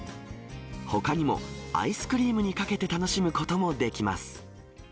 ほかにも、アイスクリームにかけて楽しむこともできます。